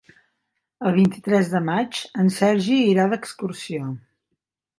El vint-i-tres de maig en Sergi irà d'excursió.